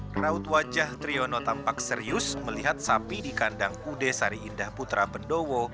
hai raut wajah triyono tampak serius melihat sapi di kandang kude sariindah putra bendowo